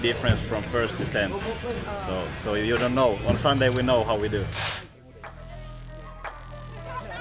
jadi kalau anda tidak tahu pada hari selamat kita tahu bagaimana kita melakukannya